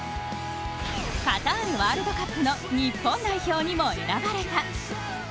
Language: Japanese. カタールワールドカップの日本代表にも選ばれた。